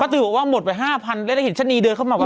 เค้าตื่นบอกว่าหมดไป๕พันแล้วได้เห็นชั้นนี้เดินเข้ามาว่า